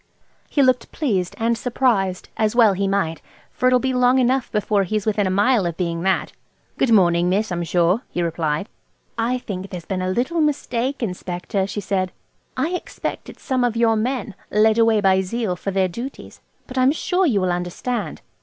He looked pleased and surprised, as well he might, for it'll be long enough before he's within a mile of being that. "Good morning, miss, I'm sure," he replied. "I think there's been a little mistake, Inspector," she said "I expect it's some of your men–led away by zeal for their duties. But I'm sure you'll understand.